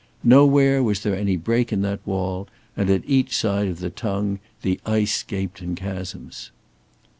Nowhere was there any break in that wall, and at each side of the tongue the ice gaped in chasms.